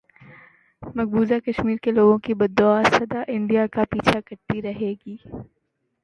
مقبوضہ کشمیر کے لوگوں کی بددعا سدا انڈیا کا پیچھا کرتی رہے گی